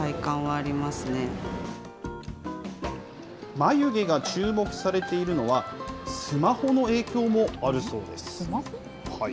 眉毛が注目されているのは、スマホの影響もあるそうです。